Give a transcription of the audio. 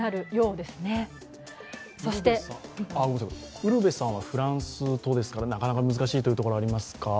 ウルヴェさんはフランスとですからなかなか難しいところはありますか？